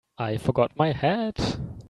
I forgot my hat.